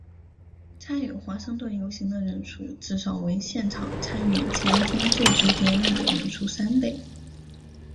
参与华盛顿游行的人数至少为现场参与前一天就职典礼的人数三倍。